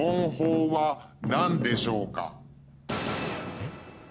えっ？